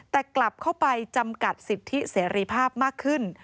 แต่กลับเข้าไปจำกัดสิทธิเสรีภาพมากขึ้น